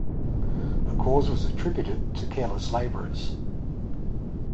The cause was attributed to careless labourers.